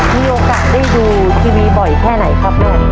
มีโอกาสได้ดูทีวีบ่อยแค่ไหนครับแม่